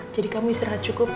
jadi kamu istirahat cukup